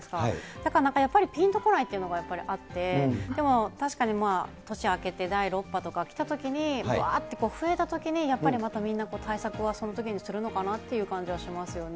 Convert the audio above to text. だからなんかやっぱりぴんとこないというのがやっぱりあって、でも確かに年が明けて、第６波とかがきたときに、ぶわーっと増えたときにやっぱりまた、みんな対策はそのときにするのかなという感じはしますよね。